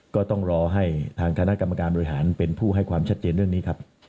ก็ต้องรอให้ทางคณะกรรมการบริหารเป็นผู้ให้ความชัดเจนเรื่องนี้ครับ